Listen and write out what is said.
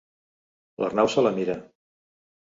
L'Arnau se la mira.